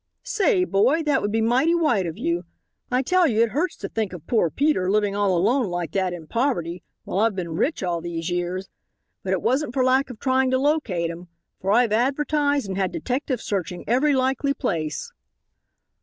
"Say, boy, that would be mighty white of you. I tell you it hurts to think of poor Peter living all alone like that in poverty while I've been rich all these years. But it wasn't for lack of trying to locate him, for I've advertised and had detectives searching every likely place."